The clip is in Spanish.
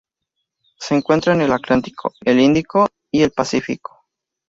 Se encuentra en el Atlántico, el Índico y el Pacífico.